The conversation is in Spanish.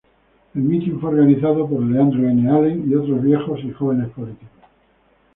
El mitin fue organizado por Leandro N. Alem y otros viejos y jóvenes políticos.